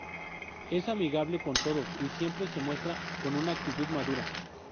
Es amigable con todos y siempre se muestra con una actitud madura.